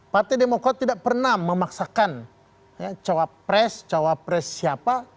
partai demokrat tidak pernah memaksakan cawapres cawapres siapa